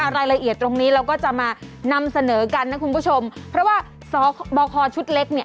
รายละเอียดตรงนี้เราก็จะมานำเสนอกันนะคุณผู้ชมเพราะว่าสบคชุดเล็กเนี่ย